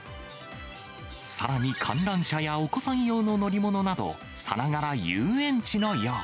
さらに観覧車やお子さん用の乗り物など、さながら遊園地のよう。